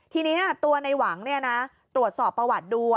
ทีนี้ตัวในหวังตรวจสอบประวัติดู